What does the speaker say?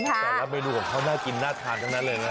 แต่ละเมนูของเขาน่ากินน่าทานทั้งนั้นเลยนะ